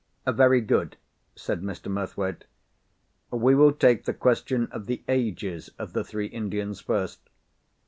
"Very good," said Mr. Murthwaite. "We will take the question of the ages of the three Indians first.